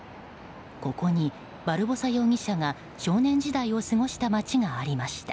ここにバルボサ容疑者が少年時代を過ごした街がありました。